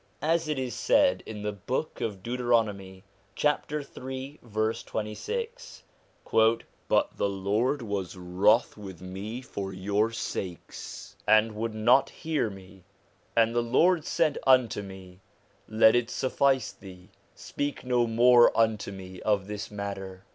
As it is said in the Book of Deuteronomy, chapter 3, verse 26 :' But the Lord was wroth with me for your sakes, and would not THE MANIFESTATIONS OF GOD 195 hear me: and the Lord said unto me, Let it suffice thee, speak no more unto Me of this matter.'